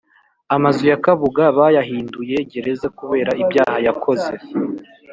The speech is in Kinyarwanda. Amazu yakabuga bayahinduye gereza kubera ibyaha yakoze